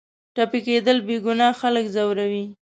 ټپي کېدل بېګناه خلک ځوروي.